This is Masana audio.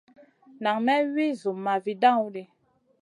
Nan may wi Zumma vi dawn ɗi.